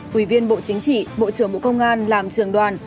quỳ viên bộ chính trị bộ trưởng bộ công an làm trường đoàn